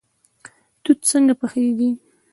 توت څنګه پخیږي؟